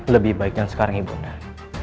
lebih baiknya sekarang ibu undang